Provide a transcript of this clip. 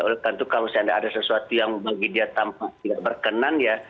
oleh karena itu kalau misalnya ada sesuatu yang bagi dia tampak tidak berkenan ya